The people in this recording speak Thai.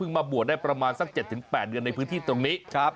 มาบวชได้ประมาณสัก๗๘เดือนในพื้นที่ตรงนี้